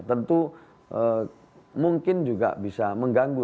tentu mungkin juga bisa mengganggu